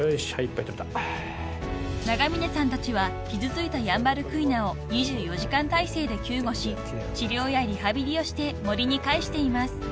［長嶺さんたちは傷ついたヤンバルクイナを２４時間体制で救護し治療やリハビリをして森に返しています］